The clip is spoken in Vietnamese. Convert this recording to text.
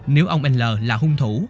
nếu ông n là hung thủ